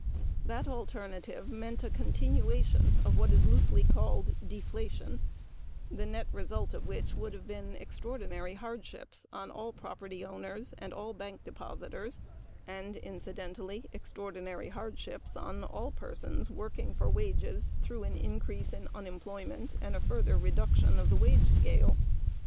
This alternative meant a continuation of what is loosely called "deflation", the net result of which would have been extraordinary hardships on all property owners and, incidentally, extraordinary hardships on all persons working for wages through an increase in unemployment and a further reduction of the wage scale.